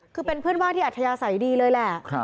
คือเป็นเพื่อนว่างที่อัธยาศัยดีเลยแหละ